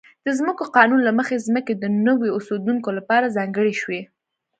د ځمکو قانون له مخې ځمکې د نویو اوسېدونکو لپاره ځانګړې شوې.